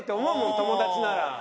友達なら。